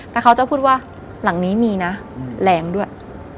แต่เขาจะพูดว่าหลังนี้มีนะแรงด้วย